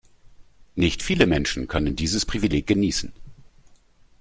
Nicht viele Menschen können dieses Privileg genießen.